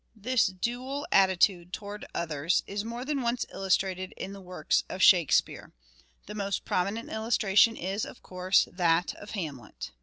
., This dual attitude towards others is more than once in Shake speare." illustrated in the works of Shakespeare. The most prominent illustration is, of course, that of Hamlet.